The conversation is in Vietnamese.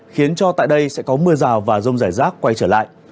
khiến cho tại đây sẽ có mưa rào và rông rải rác quay trở lại